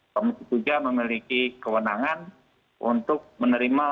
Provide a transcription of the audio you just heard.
kami juga memiliki kewenangan untuk menerima